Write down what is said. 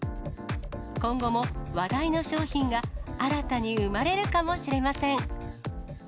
今後も話題の商品が新たに生まれるかもしれません。